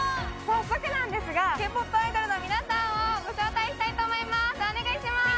早速なんですがＫ−ＰＯＰアイドルの皆さんをご紹介したいと思いますお願いします